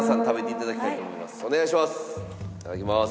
いただきます。